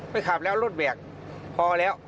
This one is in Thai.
ขับแล้วรถเบรกพอแล้ว